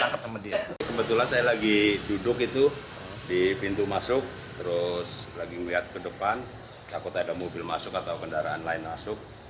kebetulan saya lagi duduk itu di pintu masuk terus lagi melihat ke depan takut ada mobil masuk atau kendaraan lain masuk